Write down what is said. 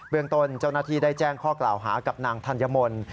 เมืองต้นเจ้าหน้าที่ได้แจ้งข้อกล่าวหากับนางธัญมนต์